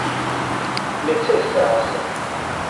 necesas